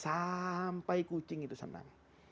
sampai kucing itu senang